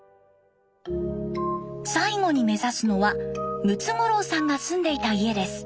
最後に目指すのはムツゴロウさんが住んでいた家です。